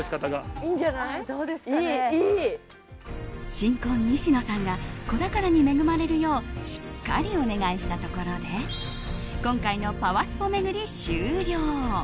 新婚・西野さんが子宝に恵まれるようしっかりお願いしたところで今回のパワスポ巡り終了。